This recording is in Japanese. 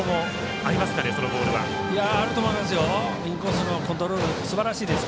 あると思いますよ。